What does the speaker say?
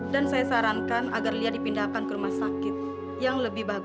dan saya sarankan agar lia dipindahkan ke rumah sakit yang lebih baik